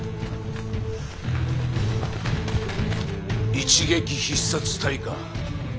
一撃必殺隊か。